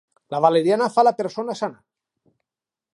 La valeriana fa la persona sana.